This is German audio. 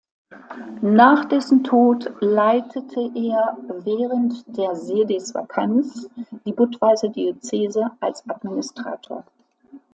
Nach dessen Tod leitete er während der Sedisvakanz die Budweiser Diözese als Administrator.